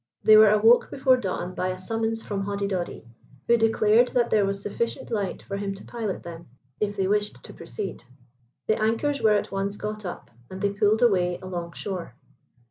They were awoke before dawn by a summons from Hoddidoddi, who declared that there was sufficient light for him to pilot them, if they wished to proceed. The anchors were at once got up, and they pulled away along shore.